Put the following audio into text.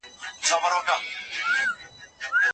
د هرات د کهسان ولسوالي د اسلام کلا بندر ته نږدې پرته ده.